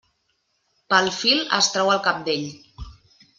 Pel fil es trau el cabdell.